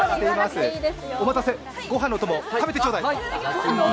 お待たせ、ごはんのお供、食べてちょうだい。